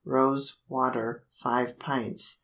Rose water 5 pints.